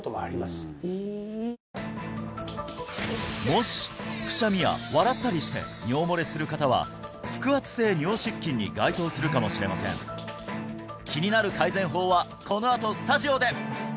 もしくしゃみや笑ったりして尿もれする方は腹圧性尿失禁に該当するかもしれません気になる改善法はこのあとスタジオで！